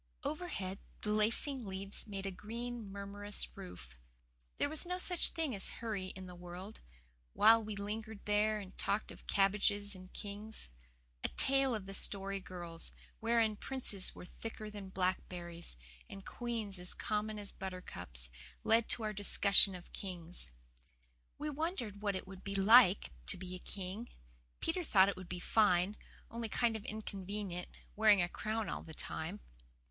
Overhead the lacing leaves made a green, murmurous roof. There was no such thing as hurry in the world, while we lingered there and talked of "cabbages and kings." A tale of the Story Girl's, wherein princes were thicker than blackberries, and queens as common as buttercups, led to our discussion of kings. We wondered what it would be like to be a king. Peter thought it would be fine, only kind of inconvenient, wearing a crown all the time.